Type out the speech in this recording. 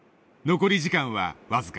残り時間は僅か。